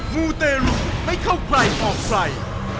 มูเตรุไม่เข้าใครออกใคร